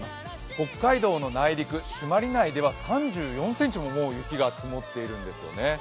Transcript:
北海道の内陸・朱鞠内には３４ｃｍも雪が積もっているんですよね。